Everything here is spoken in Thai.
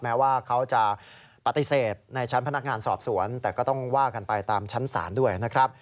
แม้ว่าเขาจะปฏิเสธในชั้นพนักงานสอบสวนแต่ก็ต้องว่ากันไปตามชั้นศาลด้วยนะครับ